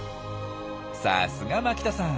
さすが牧田さん。